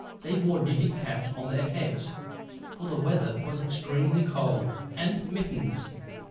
They wore knitted caps on their heads, for the weather was extremely cold, and mittens.